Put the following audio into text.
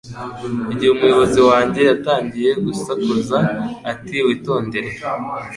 igihe umuyobozi wanjye yatangiye gusakuza ati Witondere